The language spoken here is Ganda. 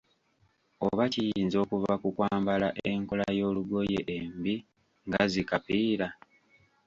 Oba kiyinza okuva ku kwambala enkola y'olugoye embi nga zi "kapiira"